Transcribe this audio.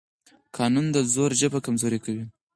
قانون د زور ژبه کمزورې کوي